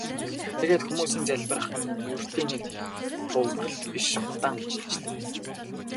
Тэгээд хүмүүсийн залбирах нь ердийн нэг дуугаралт биш удаан үргэлжлэв.